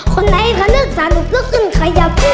คนไหนก็นึกสนุกแล้วขึ้นขยับ